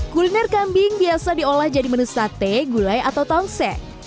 kuliner kambing biasa diolah jadi menu sate gulai atau tongseng